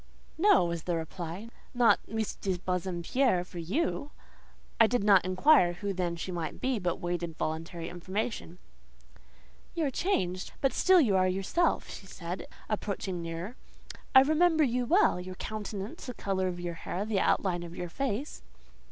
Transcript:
"No," was the reply, "not Miss de Bassompierre for you!" I did not inquire who then she might be, but waited voluntary information. "You are changed, but still you are yourself," she said, approaching nearer. "I remember you well—your countenance, the colour of your hair, the outline of your face…."